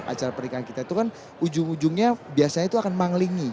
acara pernikahan kita itu kan ujung ujungnya biasanya itu akan mengelingi